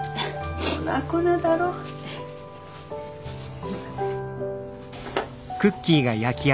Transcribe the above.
すいません。